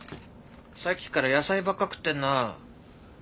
さっきから野菜ばっか食ってんなあ。